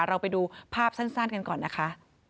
เราไปดูภาพสั้นกันก่อนนะคะ